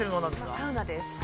◆今、サウナです。